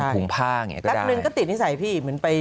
ถุงผ้าอย่างนี้ก็ได้